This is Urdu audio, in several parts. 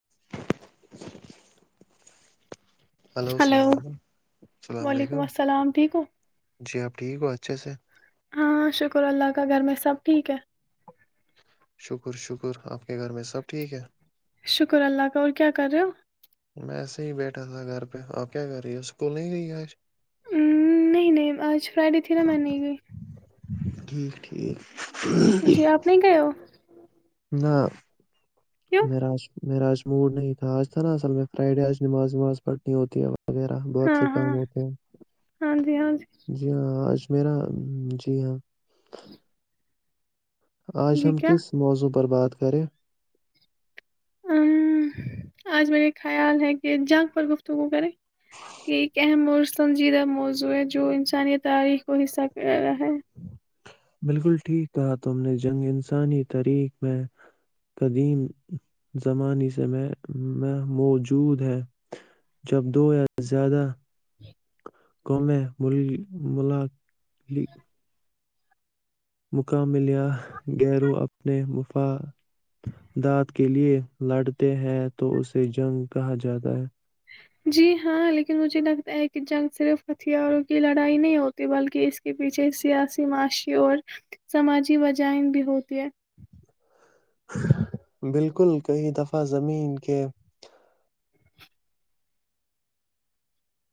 [inaudible] ہلو السلام علیکم السلام وعلیکم علیکم السلام ٹھیک ہو جی آپ ٹھیک ہو اچھے سے ہاں شکر اللہ کا گھر میں سب ٹھیک ہے شکر شکر آپ کے گھر میں سب ٹھیک ہے شکر اللہ کا اور کیا کر ہو ایسے ہی بیٹھا تھا گھر پہ آپ کیا کر رہی ہو اسکول نہیں گ رہئی ہے آج ہ نہیں نہیں آج فرائیڈے تھی نا میں نہیں گئی ٹھیک ٹھیک جی آپ نہیں گئے ہو نہ کیوں م راج میرا آج موڈ نہیں تھا آج تھا نا اصل میں فرائیڈے آج نماز وماز پڑھنی ہوتی ہے اب وغیرہ بہت ہاں سے کام ہاں ہوتے ہیں ہاں جی ہاں جی جی ہاں آج میرا جی ہاں آج جی ہم کیا کس موضوع پر بات بات کریں ا آج میرے خیال ہے کہ جنگ پر گفتگو کرے یہ اہم اور سنجیدہ موضوع ہے جو انسانی تاریخ کو حصہ کر رہا ہے بالکل ٹھیک کہا تم نے جنگ انسانی ترخ میں قدیم زمانے سے میں میں موجود ہے جب دو یا زیادہ ق میں ملا مقع ملیا گیرو اپنے مفع دت کے لیے لڑتے ہیں تو اسے جنگ کہا جاتا ہے جی ہاں لیکن مجھے لگتا ہے کہ جنگ صرف ہتھیاروں کی لڑائی نہیں ہوتی بلکہ اس کے پیچھے سیاسی معاشی اور سماجی وجائن بھی ہوتی ہے بالکل کئی دفعہ زمین کے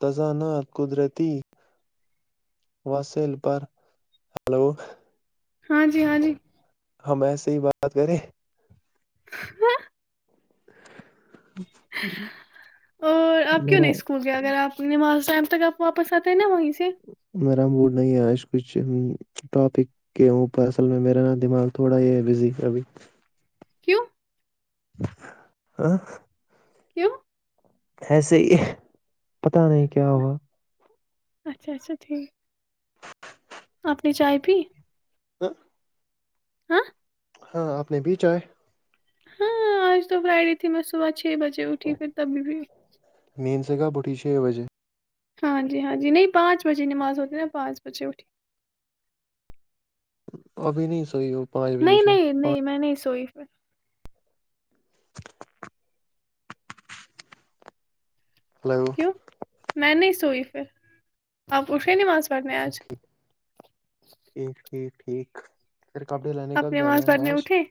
تزان قدرتی وسل پر ہلو ہاں جی ہاں جی ہم ایسے ہی بات کریں [inaudible] اور آپ کیوں میرا نہیں اسکول گ اگر آپ کی نماز ٹم تک آپ واپس آتے ہیں نا وہیں سے میرا بوڈ نہیں آج کچھ ٹاپک کے اوپر اصل میں میرا نا دماغ تھوڑا ہی ہے بزی ابھی کیوں ہ [unintelligible] کیوں ایسے ہی پتا نہیں کیا ہوا اچھا اچھا ٹھیک آپنی چائے پی ہ ہاں ہاں آپ نے بیچ آئے ہاں آج تو فرائیڈے تھی میں صبح چھ بجے اٹھی پھر تبھی بھی نیند سے کب اٹھی چھ بجے ہاں جی ہاں جی نہیں پانچ بجے نماز ہوتی نہا پانچ بجے اٹھی ابھی نہیں سحی ہو پانچ بجے نہیں سے نہیں نہیں پانچ میں نہیں سوئی پھر ہلو کیوں میں نہیں سوئی پھر آپ اے نہیں ماناز اچا ٹھیک ٹھیک ٹھیک [unintelligible] ایک پھر کپڑے لانے آپ کب جانا نماز ہے پڑھنے آج اٹھے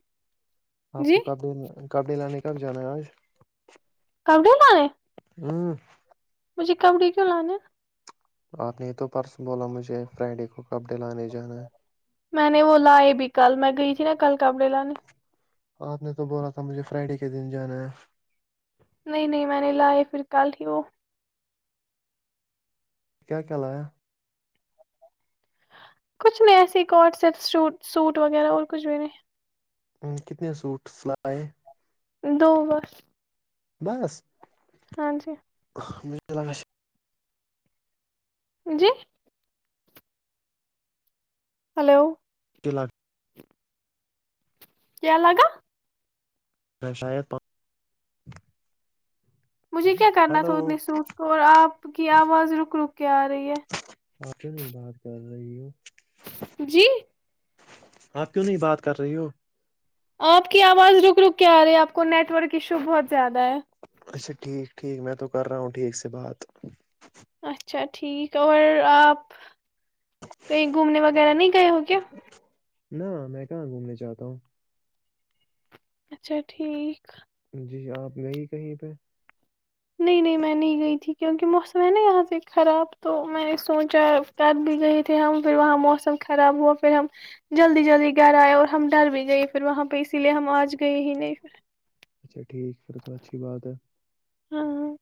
آپ جی کو کپڑے کپڑے لانے کب جانا ہے آج کپڑے لے ہوں تج کمڑی کیوں لانے آپ نے تو پرسوں بولا مجھے فرائیڈے کو کپ ڈے لانے جانا میں نے وہ لائے بھی کل میں گئی تھی نا کل کپڑے لانے آپ نے تو بولا تھا مجھے فرائیڈے کے دن جانا ہے نہیں نہیں میں نے لائے پھر کل ہی وہ کیا کیا لایا کچھ نہیں ایسے ہی کورڈ سیٹ سوٹ وغیرہ اور کچھ بھی نہیں کتنے سوٹس لائے دو بس بس ہاں جی مجھے لگا شاید جی ہلو لگا کیا لگا شاید مجھے کیا کرنا ہلو تھا اتنے سوٹس کو اور آپ کی آواز رک رک کے آ رہی ہے آپ کیوں نہیں بات کر رہی ہو جی آپ کیوں نہیں بات کر رہی ہو آپ کی آواز رک رک کے آ رہی ہے آپ کو نیٹ ورک ایشو بہت زیادہ ہے اچھا ٹھیک ٹھیک میں تو کر رہا ہوں ٹھیک سے بات اچھا ٹھیک اور آپ کہیں گھومنے وغیرہ نہیں گئے ہو کیا نہ میں کہاں گھومنے جاتا ہوں اچھا ٹھیک جی آپ گئی کہیں پہ نہیں نہیں میں نہیں گئی تھی کیونکہ موسم ہے نا یہاں سے خراب تو میں نے سوچا کل بھی گئے تھے ہم پھر وہاں موسم خراب ہوا پھر ہم جلدی جلدی گھر آئے اور ہم ڈل بھی گئے پھر وہاں پہ اسی لیے ہم آج گئے ہی نہیں پھر اچھا ٹھیک پھر تو اچھی بات ہے ہاں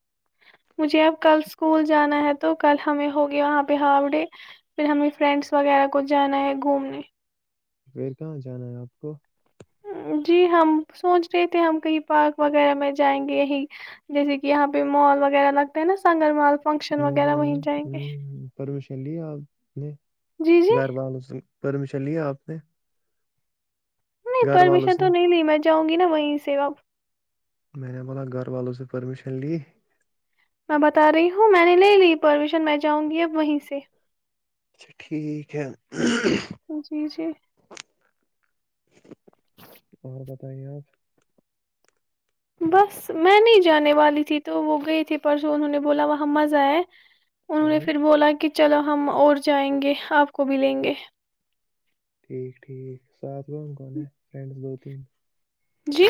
مجھے اب کل اسکول جانا ہے تو کل ہمیں ہوگی وہاں پہ ہاف ڈے پھر ہمیں فرینڈس وغیرہ کو جانا ہے گھومنے پھر کہاں جانا ہے آپ کو؟ جی ہم سوچ رہے تھے ہم کہیں پارک وغیرہ میں جائیں گے یہیں جیسے کہ یہاں پہ مال وغیرہ لگتا ہے نا سنگر مال فنکشن وغیرہ وہیں جائیں گے ہمم پرمیشن لی آپ نے جی جی گھر والوں سے پرمیشن لی آپ نے نہیں گھر والوں پرمیشن سے تو نہیں لی میں جاؤں گی نا وہیں سے اب میں نے بولا گھر والوں سے پرمیشن لی میں بتا رہی ہوں میں نے نہیں لی پرمیشن میں جاؤں گی اب وہیں سے اچھا ٹھیک ہے جی جی اور بتائیے آپ بس میں نہیں جانے والی تھی تو وہ گئے تھے پرسوں انہوں نے بولا وہاں مزا ہے انہوں نے ہاں پھر بولا کہ چلو ہم اور جائیں گے آپ کو بھی لیں گے ٹھیک ٹھیک ساتھ کون کون یے فرینڈس دو تین جی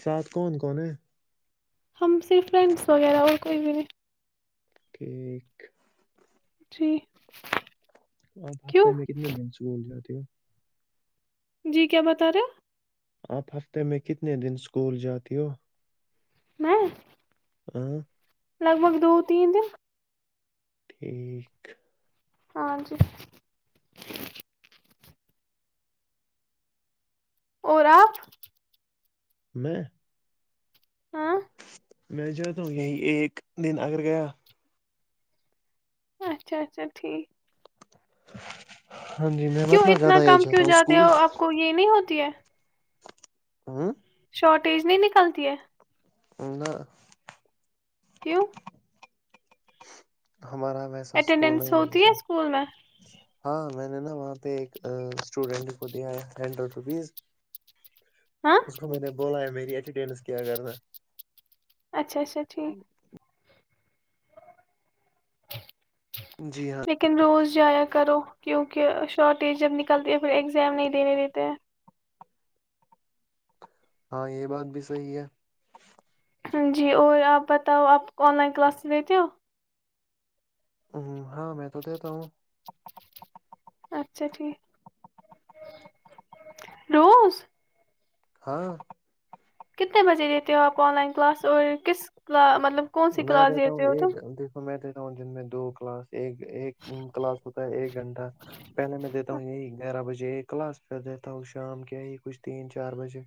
سات کون کون ہے ہم صرف فرینڈس وغیرہ اور کوئی بھی نہیں ٹھیک جی اپ بافتے کیوں میں کتنے دن سکول جاتے ہو [inaudible] [inaudible] جی کیا بتا رہے آپ ہفتے میں کتنے دن اسکول جاتی ہو میں ہاں لگ بھگ دو تین دن ٹھیک ہاں جی اور آپ میں ہاں میں جاتا ہو یہیں ایک دن اگر گیا اچھا اچھا ٹھیک [inaudible] کیوں مت نہ اتنا زیادہ یہ کم کیوں جاتا ہوں جاتے اسکول ہو آپ کو یہ نہیں ہوتی ہے ہاں شارٹیج نہیں نکلتی ہے نی کیو ہمارا ویسا اسکول اٹینڈنس نہیں ہے ہوتی جیسا اسکول میں ہاں میں نے نا وہاں پہ ایک اسٹوڈینٹ کو دیا ہے ہنڈریڈ روپیز ہاں اس کو میں نے بولا ہے میری اٹرڈینس کیا کرنا اچھا اچھا ٹھیک جی ہاں لیکن روز جایا کرو کیونکہ شارٹیج جب نکلتی ہے پھر ایگزام نہیں دینے دیتے ہیں ہاں یہ بات بھی صحی ہے جی اور آپ بتاؤ آپ آن لائن کلاسز لیتے ہو ہ ہاں میں تو دیتا ہوں اچھا ٹھیک روز ہاں کتنے بجے دیتے ہو آپ آن لائن کلاس اور کس مطلب کون سی میں کلاس دیتا دیتے ہوں ہو ایک تم دیکھو میں دن میں دو کلاس ایک ایک کلاس ہوتا ہے ایک گھنٹہ پہلے میں دیتا ہوں یہی گیارہ بجے یہ کلاس پھر دیتا ہوں شام کے یہ کچھ تین چار بجے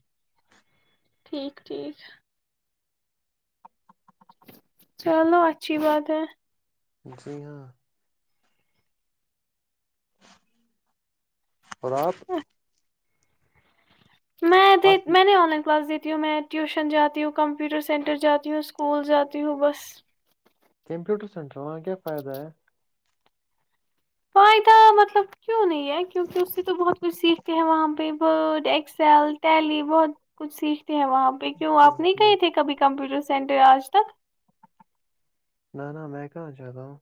ٹھیک ٹھیک چلو اچھی بات ہے جی ہاں اور آپ میں آپ دیتی کی میں نہیں آن لائن کلاس دیتی تی ہوں میں ٹیوشن جاتی ہوں کمپیوٹر سینٹر جاتی ہوں اسکول جاتی ہوں بس کمپیوٹر سینٹر وہاں کیا فائدہ ہے پائید مطلب کیوں نہیں کیونکہ اس سے تو بہت کچھ سیکھتے ہیں وہاں پہ وورڈ ایککسل ٹیلی بہت کچھ سی وہاں پہ کیوں ٹھیک آپ نہیں گئے ٹھیک، تھے کبھی کمپیوٹر سینٹر ر آج تک [unintelligible] نہان میں کہاں جاہ گا ہوں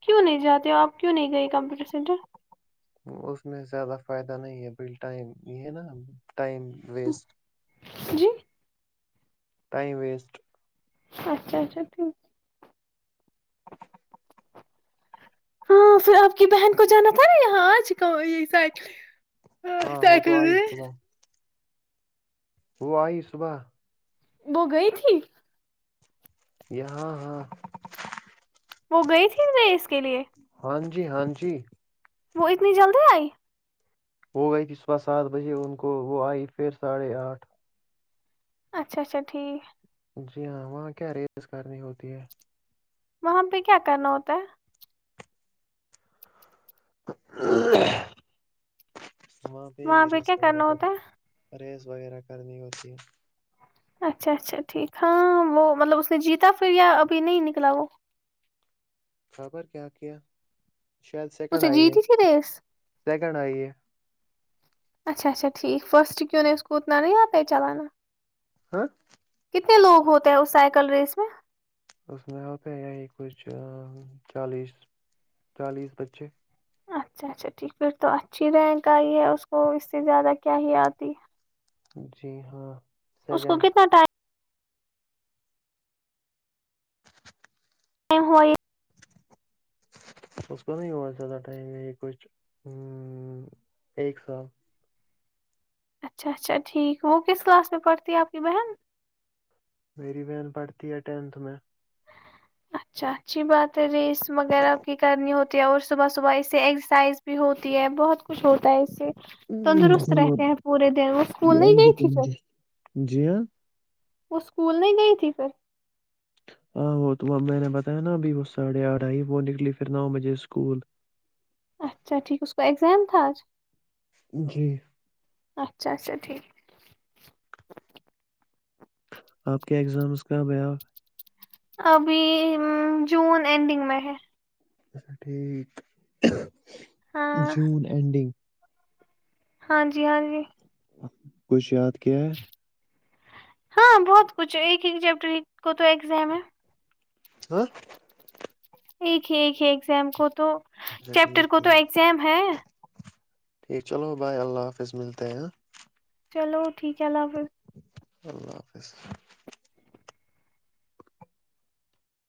کیوں نہیں جاتے ہو آپ کیوں نہیں گئے کمپیوٹر سینٹر اس میں زیادہ فائدہ نہیں ہے بال ٹائم یہ ہے نا ٹائم ویسٹ جی [unintelligible] ٹائم ویسٹ [unintelligible] اچھا اچھا ٹھیک ہاں پھر آپ کی بہن کو جانا تھا نا یہاں آجکا یہی سائیکل ہ ہاں کیا وہ کر تو گ آئی [unintelligible] صبح وہ آئی صبح وہ گئی تھی یہ ہاں ہاں وہ گئی تھی میں اس کے لیے ہاں جی ہاں جی وہ اتنی جلدی آئی ہو گئی ت صبح سات بجے ان کو وہ آئی پھر ساڑھے آٹھ اچھا اچھا ٹھیک جی ہاں وہاں کیا ریس اس کارنی ہوتی ہے وہاں پہ کیا کرنا ہوتا ہے ہ [inaudible] اں پی گ وہاں پہ کیا کرنا ہوتا ہے ریس ویر وغیرہ کرنی ہوتی اچھا اچھا ٹھیک ہاں وہ مطلب اس نے جیتا پھر یا ابھی نہیں نکلا وہ خبر کیا کیا؟ اسے جیت ہی سی دس کہنا آئی ہے [unintelligible] اچھا اچا ٹھیک فسٹکیونس کوتنان آیا تو چلانا ہاں [unintelligible] کتنے لوگ ہوتے ہیں اس سائیکل ریس میں [unintelligible] اس میں ہو پہ یہیں کچھ چالیس چالیس بچے اچھا اچھا ٹھیک پھر تو اچھی رینک آئی ہے اس کو اس سے زیادہ کیا ہی آتی جی ہاں اس کو سیکنڈ کتنا ٹائم م ہو [unintelligible] اس کا نہیں بت زیادہ ٹائم یہ کچھ ہ ایک سال [unintelligible] اچھا اچھا ٹھیک وہ کس کلاس میں پڑھتی ہے آپ کی بہن میری بہن پڑھتی ہے ٹینتھ میں اچھا اچھی بات ریس وغیرہ کی کرنی ہوتی ہو اور صبح صبح اس سے ایکسرسائز بھی ہوتی ہے بہت کچھ ہوتا ہے اس سے تندرست رہتے ہیں پورے دن وہ اسکول نہیں دیوان گئی بھی تھی جب تنگ ہے جی ہاں وہ اسکول نہیں گئی تھی پھر ہاں وہ تو میں نے بتایا نا ابھی وہ ساڑھے آٹھ آئی وہ نکلی پھر نو بجے اسکول اچھا ٹھیک اس کا ایگزام تھا آج جی اچھا اچھا ٹھیک آپ کے اگزامس کا بیا ابھی جون اینڈنگ میں ہے اس س [unintelligible] ہاں جوون اینڈنگ ہاں جی ہاں جی کچھ یاد کیا ہاں بہت کچھ ایک ایک چیپٹر کو تو ایگزام ہے ہاں ایک ہے ایک ہے ایکزام کو تو اچھا چیپٹر ٹھیک کو تو ٹھیک ایگزام ہے ٹھیک چلو بھائی اللہ حافظ ملتے ہیں ہاں چلو ٹھیک ہے لا پھر اللہ حافظ